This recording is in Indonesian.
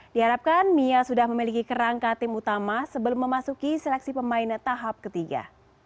diharapkan mia sudah memiliki kerangka tim utama sebelum memasuki seleksi pemain tahap ketiga